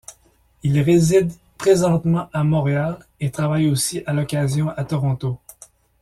Il réside présentement à Montréal et travaille aussi à l'occasion à Toronto.